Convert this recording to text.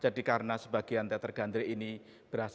jadi karena sebagian teater gandrik ini berhasil